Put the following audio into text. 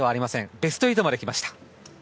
ベスト８まできました。